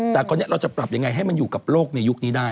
แต่คนนี้เราจะปรับยังไงให้มันอยู่กับโลกในยุคนี้ได้